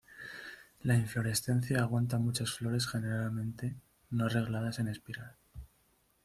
La inflorescencia aguanta muchas flores generalmente no arregladas en espiral.